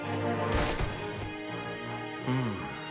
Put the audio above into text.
うん。